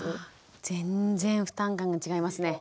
全然負担感が違いますね。